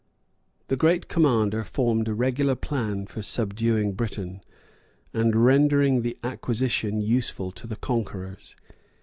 This great commander formed a regular plan for subduing Britain, and rendering the acquisition useful to the conquerors.